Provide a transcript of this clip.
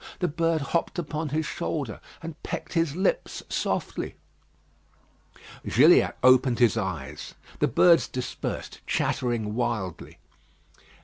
The bird hopped upon his shoulder, and pecked his lips softly. Gilliatt opened his eyes. The birds dispersed, chattering wildly.